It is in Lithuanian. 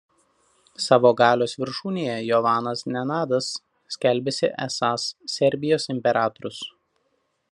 Savo galios viršūnėje Jovanas Nenadas skelbėsi esąs „Serbijos imperatorius“.